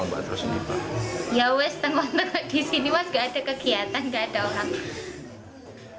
ya wes tengah tengah di sini nggak ada kegiatan nggak ada orang